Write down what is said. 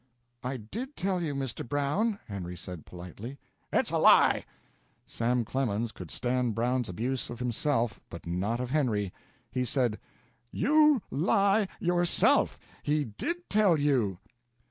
"I did tell you, Mr. Brown," Henry said, politely. "It's a lie!" Sam Clemens could stand Brown's abuse of himself, but not of Henry. He said: "You lie yourself. He did tell you!"